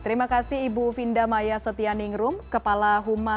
terima kasih ibu finda maya setianingrum